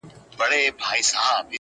نر او ښځو به نارې وهلې خدایه،